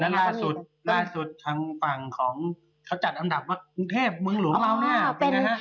นั่นล่าสุดทางฝั่งของเขาจัดอันดับว่ากรุงเทพมึงหรือเราน่ะ